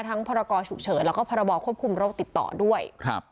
ทั้งภารกอร์ฉุกเฉินแล้วก็ภารกอร์ควบคุมโรคติดต่อด้วย